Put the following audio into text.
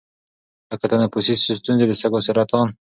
لـکه تنفـسي سـتونـزې، د سـږوسـرطـان،